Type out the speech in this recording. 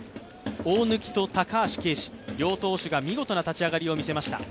大貫と高橋奎二両投手が見事な立ち上がりを見せました。